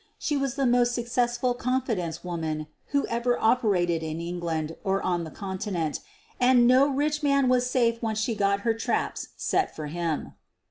She was the most successful confidence woman who ever operated in England or on the Continent, and no rich man was safe once she got her traps set for him.